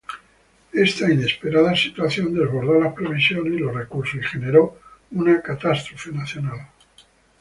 Esta inesperada situación desbordó las previsiones y los recursos, y generó una catástrofe nacional.